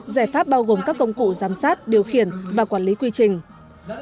giải pháp bao gồm các công cụ giám sát điều khiển và quản lý quy trình